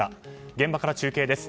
現場から中継です。